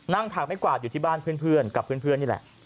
ถักไม่กวาดอยู่ที่บ้านเพื่อนกับเพื่อนนี่แหละ